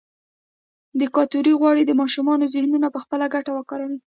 دیکتاتوري غواړي د ماشومانو ذهنونه پخپله ګټه وکاروي.